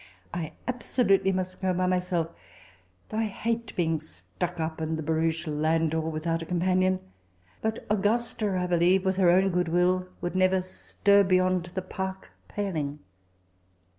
I absolutely must go in by myself though I hate being studc up in the barouche*' landau without a companion; but Au gusta, I belieye, with her owu good will, would neyer stir beyond the park paling."